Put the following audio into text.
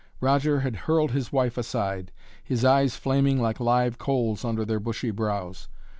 Roger had hurled his wife aside, his eyes flaming like live coals under their bushy brows.